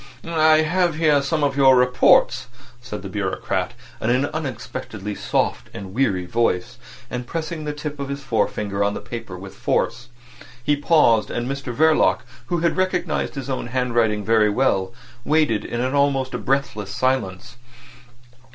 "I have here some of your reports," said the bureaucrat in an unexpectedly soft and weary voice, and pressing the tip of his forefinger on the papers with force. He paused; and Mr Verloc, who had recognised his own handwriting very well, waited in an almost breathless silence.